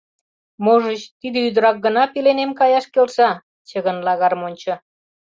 — Можыч, тиде ӱдырак гына пеленем каяш келша? — чыгынла гармоньчо.